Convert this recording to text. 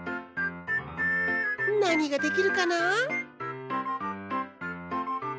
なにができるかな？